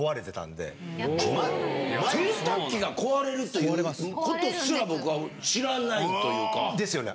洗濯機が壊れるという事すら僕は知らないというか。ですよね。